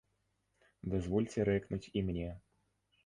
Дазвольце рэкнуць і мне.